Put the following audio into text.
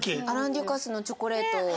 アラン・デュカスのチョコレート。